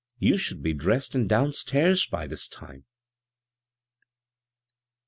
" Yoa should be dressed and down stairs by this time."